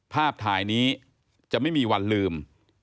ภาพถ่ายนี้จะไม่มีวันลืม